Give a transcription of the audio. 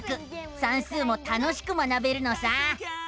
算数も楽しく学べるのさ！